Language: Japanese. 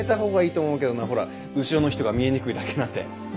ほら後ろの人が見えにくいだけなんで。